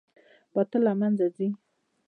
باطل له منځه ځي